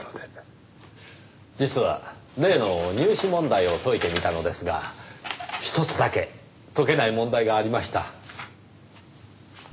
実は例の入試問題を解いてみたのですがひとつだけ解けない問題がありました。